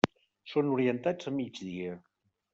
Són orientats a migdia.